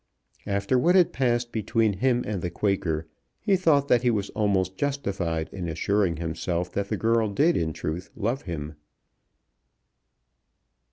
After what had passed between him and the Quaker, he thought that he was almost justified in assuring himself that the girl did in truth love him.